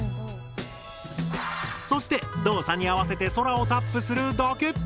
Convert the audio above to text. そして動作に合わせて空をタップするだけ！